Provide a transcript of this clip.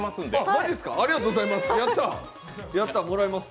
マジすか、ありがとうございます。